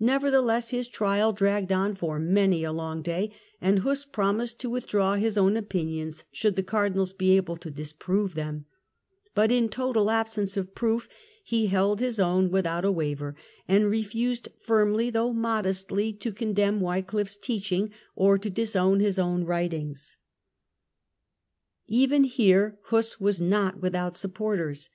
Nevertheless his trial dragged on for many a long day, and Huss promised to withdraw his own opinions should the Cardinals be able to disprove them ; but in total absence of proof he held his own without a waver, and refused firmly though modestly to condemn Wycliffe's teaching, or to disown his own writings. Even here Huss was not without supporters.